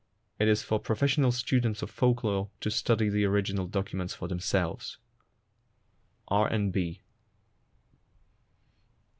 It is for professional students of folk lore to study the original documents for themselves. R. N. B.